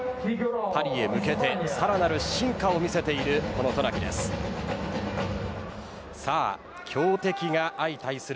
パリへ向けてさらなる進化を見せているこの渡名喜です。